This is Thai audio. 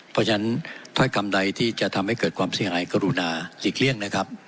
เพราะฉะนั้นถ้อยกรรมใดที่จะทำให้เกิดความเสียหายกรุณาหลีกเลี่ยงนะครับ